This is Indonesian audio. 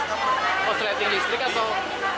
oh selain industri atau